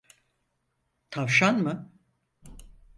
Tavşan mı?